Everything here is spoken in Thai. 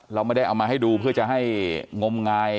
เราไม่ได้เอามาให้ดูเพื่อจะให้งมงาย